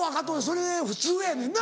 それ普通やねんな。